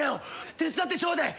手伝ってちょうでえ。